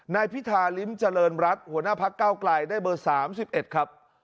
นายพิธาริมเจริญรัฐหัวหน้าพักเก้าไกลได้เบอร์๓๑ครับ